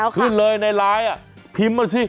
ขึ้นเลยในไลน์พิมพ์มาสิ